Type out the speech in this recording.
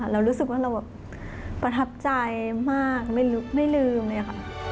เรารู้สึกว่าเราแบบประทับใจมากไม่ลืมเลยค่ะ